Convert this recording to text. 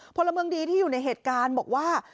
พลเมืองดีที่อยู่ในเหตุการณ์บอกว่า